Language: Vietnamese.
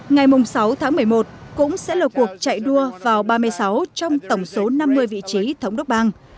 ngày sáu tháng một mươi một cũng sẽ là cuộc chạy đua vào ba mươi sáu trong tổng số năm mươi vị trí thống đốc bang